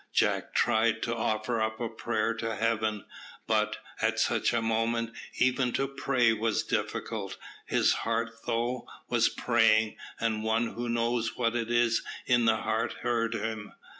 Jack tried to offer up a prayer to Heaven, but, at such a moment, even to pray was difficult. His heart, though, was praying, and One who knows what is in the heart heard him.